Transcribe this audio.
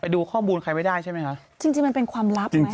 ดูข้อมูลใครไม่ได้ใช่ไหมคะจริงจริงมันเป็นความลับไหม